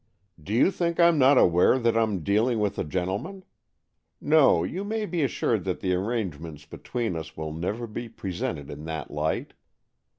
Do you think Fm not aware that Fm dealing with a gentleman ? No, you may be assured that the arrangement between us will never be represented in that light.